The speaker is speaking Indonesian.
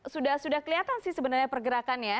sudah sudah kelihatan sih sebenarnya pergerakannya